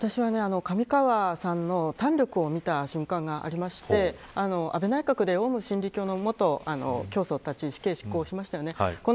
上川さんの胆力を見た瞬間がありまして安倍内閣で、オウム真理教の元教祖たちに死刑執行をしました。